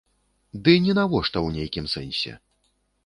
Ды нінавошта ў нейкім сэнсе.